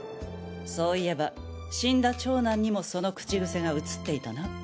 そういえば死んだ長男にもその口グセが移っていたな。